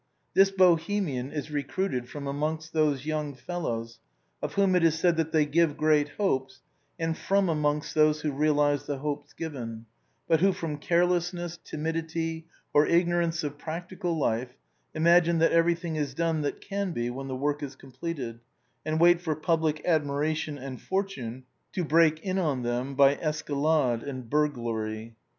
This Bohemian is recruited from amongst those young fellows of whom it is said that they give great hopes, and from amongst those who realize the hopes given, but who, from carelessness, timidity, or ignorance of practical life, imagine that everything is done that can be when the work is completed, and wait for public admiration and fortune to break in on them by es calade and burglary.